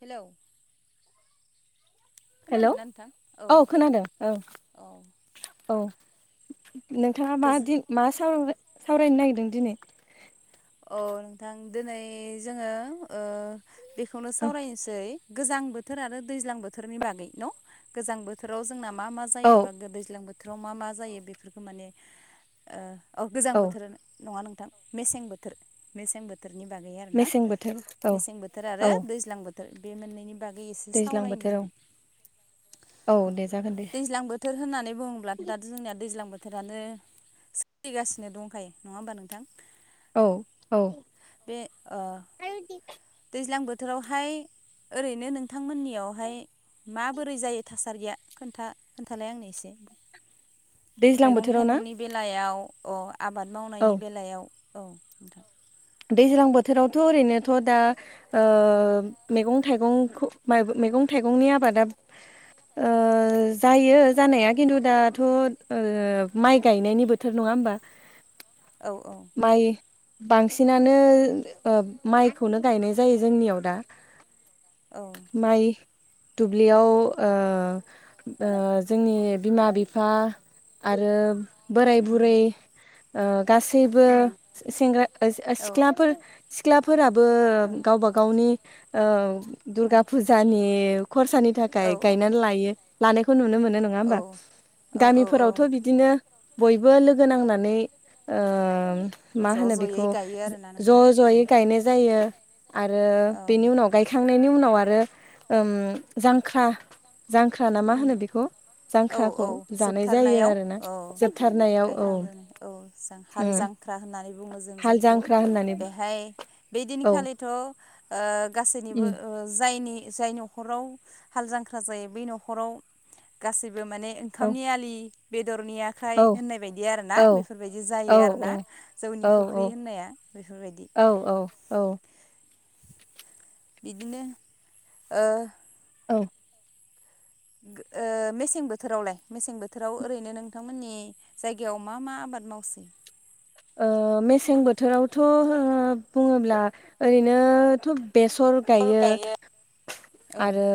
Hello. Hello खोनादोंना नोंथां औ खोनादों ओं औ औ। नोंथाङा मा गोजो दि मा सावराय सावरायनो नागिरदों दिनै? अ नोंथां दिनै जोंङो ओ बेखौनो सावराय सै गोजां बोथोर आरो दैज्लां बोथोरनि बागै न गोजां बो थोराव जोंना मा मा औ जायोबा गोदैज्लां बोथोराव मा मा जायो बेफोरखौ माने। ओ ओह गोजां औ बोथोर नङा नोंथां मेसें बोथोर। मेसें बोथोरनि बागै आरो ना मेसें बोथोर औ मेसें बोथोर आरो औ दैज्लां बोथोर बे मोननैनि बागै एसे दैज्लां सावरायनि बोथोर औ जोंङो औ ओ दे जागोन दे दैज्लां बो थोर होननानै बुङोब्ला दाथ' जोंनिया दैज्लां बोथोरानो सो लिगासिनो दंखायो नङा होमबा नोंथां? औ औ। बे ओ दैज्लां बोथोरावहाय ओरैनो नोंथांमोननियावहाय माबोरै जायो थासारिया खोनथा खोन्थालाय आंनो एसे। दैज्लां मैगं बोथोराव ना थाइगंनि बेलायाव अ आबाद औ मावनायनि बेलायाव औ [unintelligible] दैज्लां बोथोरावथ' ओरैनोथ' दा ओ मेगं थायगंखु [unintelligible] मेगं थायगंनि आबादा ओ जायो जानाया खेन्थु दाथ' ओ माइ गायनायनि बो थोर नङा होमबा? औ औ। माइ बांसिनानो ओ माइखौनो गायनाय जायो जोंनियाव दा। [inaudible] औ। माइ दुब्लियाव ओ ओ जोंनि बिमा बिफा आरो बोराय उम बुरै ओ गासैबो उम [unintelligible] औ ओ सिख्लाफोर सिख्लाफोराबो उम गावबा गावनि ओ दुर्गा फुज जानि खरसानि औ थाखाय गायनानै लायो लानायखौ नुनो मोनो नों नोङा होमबा औ औ औ गामिफोरावथ' औ बिदिनो बयबो लोगो नांनानै ओ मा ज' होनो बेखौ ज'यै गायो आरोना ज' नोंथां उम जयै गायनाय जायो। आरो औ बेनि उनाव गायखांनायनि उनाव आरो ओम जांख्रा जांख्रा ना मा उम होनो बेखौ? औ जांख्राखौ औ जानाय जायो जोबथारनायाव आरोना औ जोबथारनायाव औ। गायखांजोबनाय औ जों हाल उम जांख्रा होननानै बुंङो जों हाल जायखौ जांख्रा होननानै बेहाय औ बेदिनखालि थ' ओ गासैनिबो उम ओ जायनि जायनि न'खराव हाल जांख्रा जायो बै न'खराव गासैबो माने औ ओंखामनि आलि बेदरनि आखाइ औ होननाय बायदि आरोना औ बेफोरबायदि औ जायो आरोना। औ जौनि औ फुख्रि होननाया बेफोरबायदि। औ औ। औ। बिदिनो ओ औ। गोओ मेसें बोथोरावलाय मेसें बोथोराव ओरैनो नोंथांमोननि जायगायाव मा मा आबाद मावसै? ओ मेसें बोथोरावथ' हो बुङोब्ला ओरैनोथ' बेसर गायो औ आरो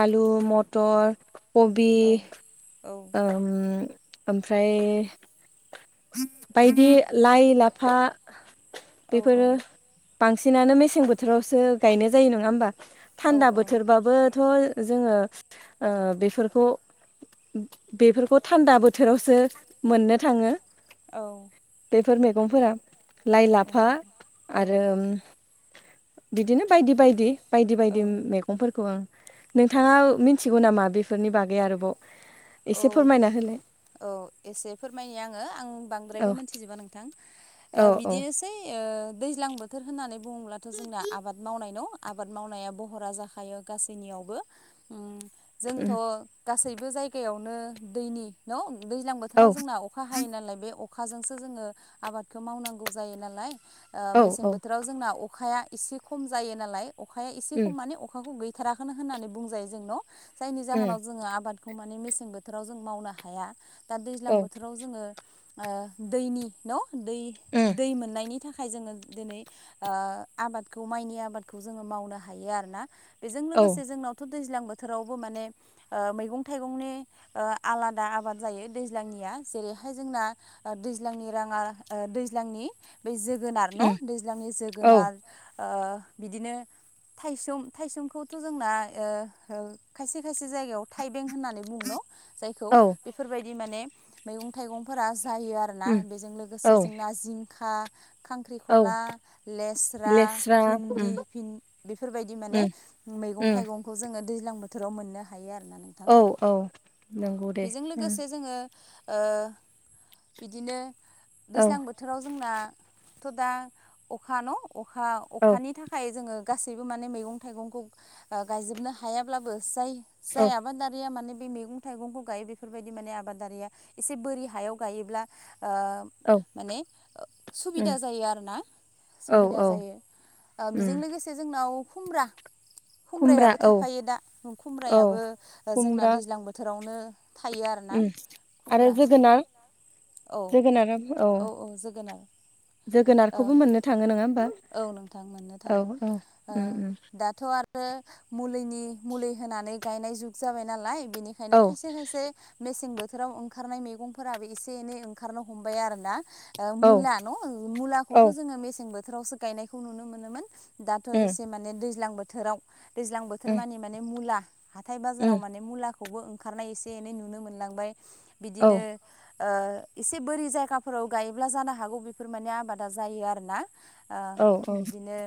आलु मथर कबि औ औ। ओम ओफ्राय बायदि लाइ लाफा औ बेफोरो बांसिनानो मेसें बोथोरावसो गायनाय जायो नंङा होमबा औ थान्दा औ बोथोरबाबोथ'। जोंङो ओ बेफोरखौ। बेफोरखौ थान्दा बोथोरावसो मोननो थाङो। औ। बेफोर मैगंफोरा औ लाइ- औ लाफा नोंथां औ आरो। बिदिनो बायदि- बायदि -बायदि औ -बायदि मेग फोरखौ ओं नोंथाङा मिथिगौ नामा बेफोरनि बागै आरोबाव औ एसे फोरमायना होलाय। औ एसे फोरमायनि आङो आं बांद्रायबो औ मोनथिजोबा नोंथां औ औ बिदिनोसै हैओ दैज्लां बोथोर होननानै बुङोब्लाथ' जोंना आबाद मावनाय न आबाद मावनाया बहरा जाखायो गासैनियावबो उ उम जोंथ'। गासैबो जायगायावनो दैनि न' दैज्लां औ बोथोराव जोंना अ अखा हायो नालाय बे अखाजोंसो जोंङो आबादखौ मावनांगौ जायो नालाय ओ औ मेसें औ बोथोराव। जोंना अखाया एसे खम जायोनालाय अखाया एसे उम खम माने अखाखौ गै थाराखोनो होननानै बुजायोजों न' जायनि उम जाहोनाव जोंङो आबादखौ। मेसें बोथोराव जों मावनो हाया दा दैज्लां औ बोथोराव। जोंङो ओ दैनि न दै उम दैमोननानि। थाखाय जोंङो दिनै ओ आबादखौ माइनि आबादखौ जोंङो मावनो हायो आरो ना। बेजों औ लोगोसे जोंनावथ' दैज्लां बोथोरावबो माने मैगं थाइगंनि। ओ आलादा आबाद जायो दैज्लांनिया जेरैहाय जोंना। ओ दैज्लांनि रांङा ओ दैज्लांनि। बै जोगोनार उम न' दैज्लांनि औ जोगोनार ओ बिदिनो। थायसुम थायसुमखौथ' जोंना ओ हो खायसे खायसे जायगायाव थायबें। थायबें होना बुंङो न जायखौ औ बेफोरबायदिमाने मैगं थायगफोरा जायो ओरो। आरोना उम बेजों लोगोसे औ जोंना जिंखा, औ खांख्रिखला लेस्रा भिन्दि भिन बेफोरबायदि माने। उम मैगं उम थाइगंखौ जोंङो दैज्लां बोथोराव मोननो हायो आरो नो। औ औ नंगौ दे बेजों उम लोगोसे जोंङो। ओ बिदिनो औ दैज्लां बोथोर। बोथोराव जोंनाथ' दा अखा न' अखा औ अखानि थाखाय जोंङो। गासैबो माने मैगं थाइगंखौ ओ गायजोबनो हायाब्लाबो जाय औ जया दारिया माने बे मैगं थाइगंखौ गायो बेफोरबायदि माने आबादारिया एसे बोरि हायाव गायोब्ला ओ औ माने सुबिदा उम जायो आरोना औ सुबिदा औ जायो ओ बिजों उम लोगोसे जोंनाव खुमब्रा खुमब्रा खुमब्रायाबो औ थाफायो दा औ खुमब्रायाबो जोंना खुमब्रा दैज्लां बोथोरावनो थायो आरोना उम आरो खुमब्रा जोगोनार औ जोगोनारा औ ओ जोगोनारखौबो मोननो थाङो नङा होमबा? औ नोंथां मोननो औ थाङो औ ओ उम उम दाथ' आरो आरो मुलिनि मुलि होनानै गायनाय जुग जाबाय नालाय बेनिखायनो औ खायसे खायसे मेसें बोथोराव ओंखारनाय मैगंफोराबो एसे एनै ओंखारनो हमबाय आरो ना औ मुला न' मुलाखौथ' औ जोङो मेसें बोथोरावसो गायनायखौ नुनो मोनोमोन दाथ' उम एसे माने दैज्लां बोथोराव दैज्लां बोथोर उम मानि माने मुला हाथाय बाजाराव उम माने मुलाखौबो ओंखारनाय एसे एनै नुनो मोनलांबाय औ बिदिनो ओ एसे बोरि जायगाफोराव गायोब्ला जानो हागौ बेफोर माने आबादा जायो आरोना। आ औ औ बिदिनो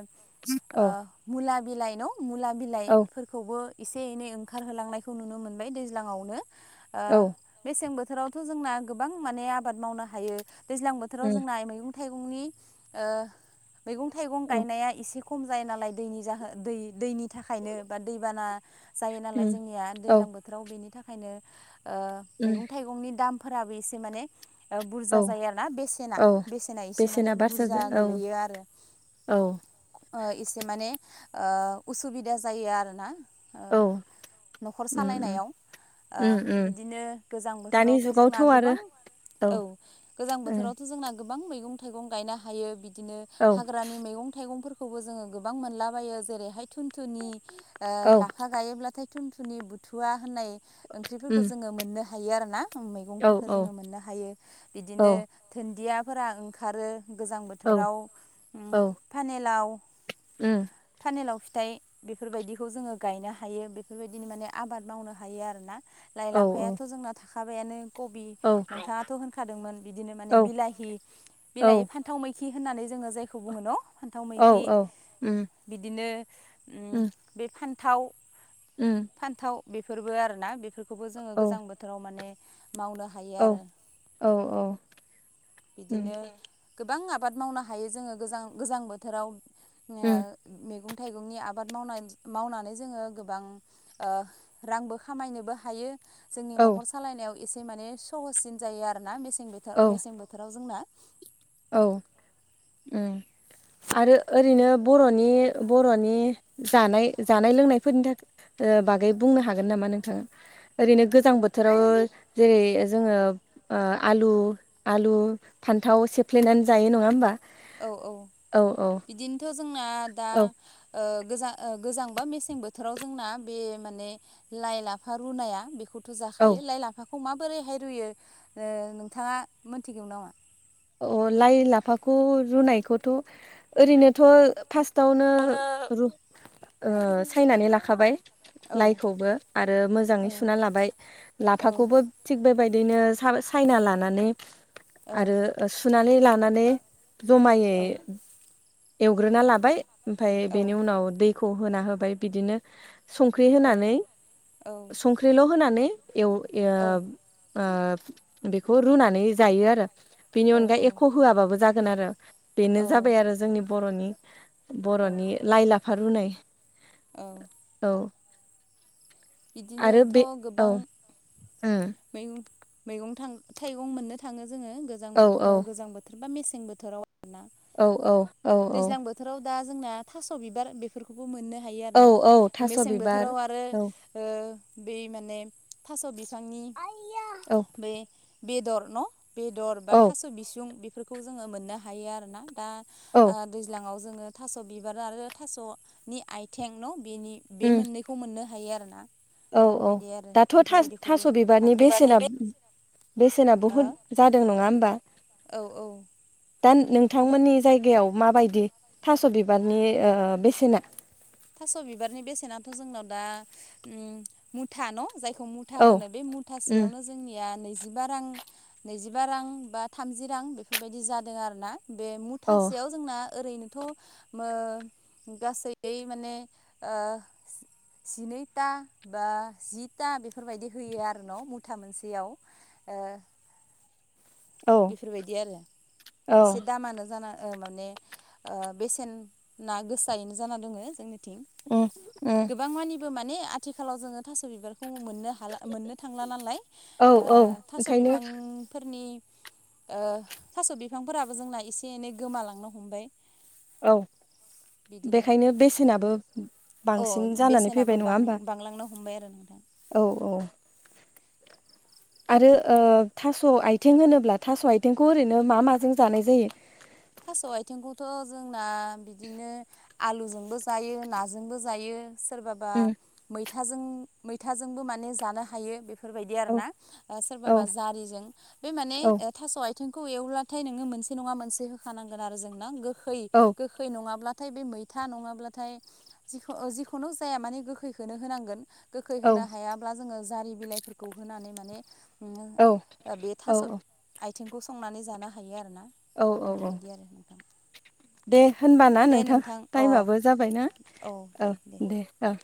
ओ औ मुला बिलाइ न' मुला बिलाइ औ फोर खौबो एसे एनै ओंखारहोलांनायखौ नुनो मोनबाय दैज्लांयावनो ओ औ मेसें बोथोरावथ' जोंना गोबां माने आबाद मावनो हायो दैज्लां उम जोंना मैगं थाइगंनि ओ मैगं थाइगं औ गायनाया एसे खम जायो नालाय दैनि जाहो दै दैनि थाखायनो बा दैबाना जायो नालाय उम जोंनिया औ दैज्लां बोथोराव बिनि थाखायनो ओ उम मैगं थाइगंनि दाम फोराबो एसे माने ओ बुरजा औ जायो आरोना बेसेना औ बेसेना एसे माने बुरजा बारसाजों औ गोलैयो आरो। औ ओ एसे माने ओ उसुबिदा जायो आरोना ओ औ न'खर उम सालायनायाव ओ उम उम बिदिनो गोजां दानि बोथोरावथ' जुगावथ' जोंना आरो गोबां औ गोजां उम बोथोरावथ' जोंना गोबां मैगं-थाइगं गायनो हायो बिदिनो औ रानि मैगं-थाइगंफोरखौबो जोङो गोबां मोनलाबायो जेरैहाय थुन थुनि ओ औ लाफा गायोब्लाथाय थुन-थुनि बुथुवा होननाय ओंख्रिफोरखौ उम जोङो मोननो हायो आरो ना। ओं औ मैगंफोरखौ जोङो मोननो हायो औ बिदिनो धोन्दियाफोरा ओंखारो गोजां औ बोथोराव उम फानेलाव उम फानेलाव फिथाइ बेफोरबायदिखौ जोङो गायनो हायो बेफोरबायदिनो माने आबाद मावनो हायो आरोना। औ लाइ-लाफायाथ' जोंना थाखाबायानो कबि औ नोंथाङाथ' होनखादोंमोन बिदिनो माने औ बिलाहि औ बिलाहि फान थाव मैखि होननानै जोङो जायखौ बुङो न' फान्थाव मैखि औ उम बिदिनो उम बे फान्थाव उम फान्थाव बेफोरबो आरो ना बेफोरखौबो जोङो औ गोजां बोथोराव माने मावनो हा हायो औ आरो औ औ उम बिदिनो गोबां आबाद मावनो हायो जोङो गोजां गोजां बोथोराव [unintelligible] उम मैगं-थाइगंनि आबाद मावनानै मावनानै जोङो गोबां ओ रांबो खामायनोबो हायो। जोंनि औ न'खर सालायनायाव एसे माने सहससिन जायो आरोना मेसें बोथो औ मेसें बोथोराव जोंना औ उम आरो ओरैनो बर'नि बर'नि जानाय जानाय लोंनायफोरनि थाखा ओ बागै बुंनो हागोन नामा नोंथाङा? ओरैनो गोजां बोथोराव जेरै जोङो ओ आलु आलु फान्थाव सेफ्लेनानै जायो नङा होमबा? औ औ औ औ बिदिनोथ' जोंना दा औ ओ गोजां ओ गोजां बा मेसें बोथोराव जोंना बे माने लाइ लाफा रुनाया बेखौ थ' औ जाखायो लाइ लाफाखौ माबोरैहाय रुयो ओ नोंथाङा मोनथिगौ नामा? अ लाइ लाफाखौ रुनायखौथ' ओरैनोथ' फार्स्टआवनो रु ओ सायनानै लाखाबाय। औ लायखौबो आरो मोजाङै औ लाबाय औ लाफाखौबो थिग बेबायदिनो सायना लानानै औ आरो सुनानै लानानै जमायै एवग्रोना लाबाय ओमफाय बेनि उनाव दैखौ होना होबाय बिदिनो संख्रि होनानै औ संख्रिल' होनानै एव ओ ओ बेखौ रुनानै जायो आरो बेनि अनगा औ एख' होआबाबो जागोन आरो बेनो औ जाबाय आरो जोंनि बर'नि बर'नि लाइ लाफा रुनाय। औ। औ। आरो बिदिनोथ' बे औ गोबां ओम। मैगं मैगं थां थाइगं मोननो थाङो जोङो औ गोजांबो औ गोजां बो थोर बा मेसें बोथोराव आरोना औ औ दैज्लां बोथोराव दा जोंना थास' बिबार बे बेफोरखौबो मोननो हायो औ आरोना औ थास' मेसें बिबार बोथोराव आरो औ बै माने थास' बिफांनि औ बे-बेदर न' बेदर बा औ थास' बिसुं बेफोरखौ जोङो मोननो हायो आरोना दा औ ओ दैज्लांआव जोङो थास' बिबार आरो थास'नि आयथें न' बेनि बे उम मोननैखौ खौ मोननो हायो आरोना। औ औ बेफोरबायदि आरो दाथ' बेफोरबायदिखौबो थास' बिबारनि हाग्रा बेसेना बेसेना बहुत जादों नङा होमबा? औ औ। दा नोंथांमोननि जायगायाव माबायदि थास' बिबारनि ओ बेसेना? थास' बिबारनि बेसेनाथ' जोंनाव दा ओम मुथा न' जायखौ मु था औ होनो बे उम मुथासेयावनो जोंनिया नैजिबा रां नैजिबा रां बा थामजि रां बेफोरबायदि जादों आरो ना बे मु औ मुथासेआव जोंना ओरैनोथ' ओ गासैयै माने ओ जिनै ता बा जि ता बेफोरबायदि होयो आरो न' मुथा मोनसेयाव। ओ औ बेफोरबायदि आरो औ एसे दामानो जाना ओ माने ओ बेसेनआ गोसायैनो जाना दोङो जोंनिथिं। उम उम। गोबां मानिबो माने आथिखालाव जोङो थास' बिबारखौ मोननो हाला मोननो थांला नालाय औ ओ औ थास' ओंखायनो बिफांफोरनि ओ थास' बिफांफोराबो जोंना एसे एनै गोमालांनो हमबाय। औ बिदिनो बेखायनो बेसेनाबो अ बांसिन जानानै फैबाय बेसेनाबो नङा होमबा बां-बांलांनो हमबाय आरो नोंथां। औ औ। आरो ओ थास' आयथें होनोब्ला थास' आयथेंखौ ओरैनो मा माजों जानाय जायो? थास' आयथेंखौथ' जोंना बिदिनो आलुजोंबो जायो नाजोंबो जायो। सोरबाबा मैथाजों मैथाजोंबो माने जानो हायो बेफोर बेफोरबायदि औ आरोना औ सोरबाबा जारिजों बे माने औ थास' आयथेंखौ एवब्लाथाय नोङो मोनसे नङा मोनसे होखानांगोन आरो जों ना गोखै औ गोखै। गोखै नङाब्लाथाय बे मैथा नङाब्लाथाय जिख जिखुनु जाया माने गोखैखौनो होनांगोन। गोखै औ होनो हायाब्ला जोङो जारि बिलाइफोरखौ होनानै माने औ माने बे थास' औ आयथेंखौ संनानै जानो हायो आरोन'? औ औ औ बेफोरबायदि आरो नोंथां। दे होनबाना दे नोंथां अ टाइमाबो जाबायना औ दे औ